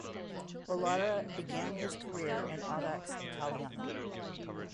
Olarra began his career in Audax Italiano.